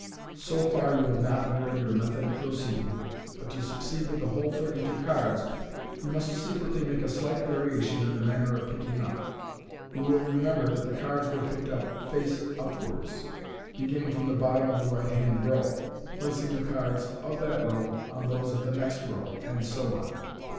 So far you have not varied your method of proceeding, but to succeed with the whole thirty two cards you must secretly make a slight variation in the manner of picking up. You will remember that the cards were picked up fact upwards, beginning from the bottom of the right hand row, placing the cards of that row on those of the next row, and so on.